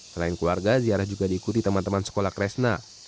selain keluarga ziarah juga diikuti teman teman sekolah kresna